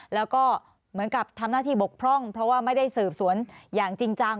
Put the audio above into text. แล้วก็เหมือนกับทำหน้าที่บกพร่องเพราะว่าไม่ได้สืบสวนอย่างจริงจัง